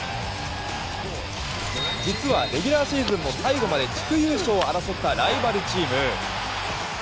実はレギュラーシーズンも最後まで地区優勝を争ったライバルチーム。